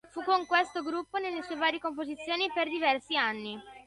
Fu con questo gruppo, nelle sue vari composizioni, per diversi anni.